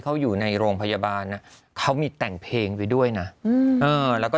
ค่ะดูแล้วทราบซึ้งมาก